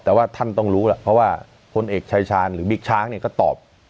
แต่ว่าท่านต้องรู้ล่ะเพราะว่าพลเอกชายชาญหรือบิ๊กช้างเนี่ยก็ตอบ